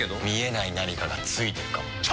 見えない何かがついてるかも。